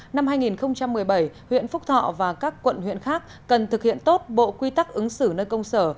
năm hai nghìn một mươi bảy huyện phúc thọ và các quận huyện khác cần thực hiện tốt bộ quy tắc ứng xử nơi công sở